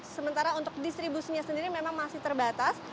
sementara untuk distribusinya sendiri memang masih terbatas